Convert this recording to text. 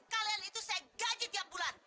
kalian itu saya gaji tiap bulan